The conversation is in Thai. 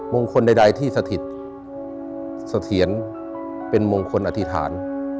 มงคลใดที่สถิตสเตียนเป็นมงคลอธิษฐาน